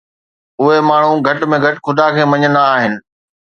اهي ماڻهو گهٽ ۾ گهٽ خدا کي مڃيندا آهن.